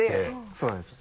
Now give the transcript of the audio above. そうなんですよ。